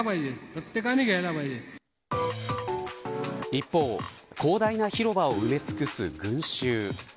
一方、広大な広場を埋め尽くす群衆。